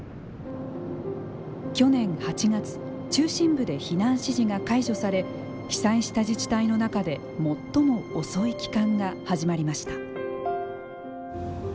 去年８月中心部で避難指示が解除され被災した自治体の中で最も遅い帰還が始まりました。